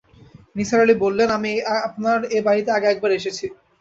নিসার আলি বললেন, আমি আপনার এ-বাড়িতে আগে একবার এসেছি।